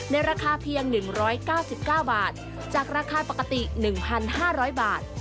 ในราคาเพียงหนึ่งร้อยเก้าสิบเก้าบาทจากราคาปกติหนึ่งพันห้าร้อยบาท